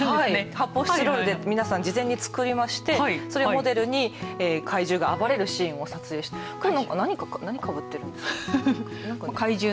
発泡スチロールで、皆さん事前に作りましてそれをモデルに怪獣が暴れるシーンを撮影して何かぶってるんですかね。